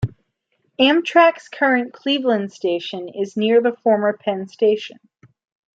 Amtrak's current Cleveland station is near the former Penn Station.